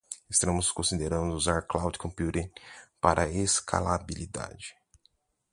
Estamos considerando usar cloud computing para escalabilidade.